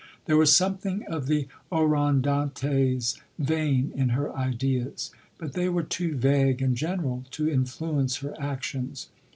There was something of the Orondates' vein in her ideas ; but they were too vague and general to influence her actions.